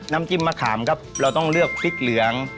น้ำจิ้มมะขามครับเราต้องเลือกพริกเหลือง